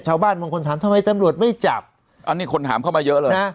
ชาวบ้านบางคนถามทำไมตำรวจไม่จับอันนี้คนถามเข้ามาเยอะเลยนะ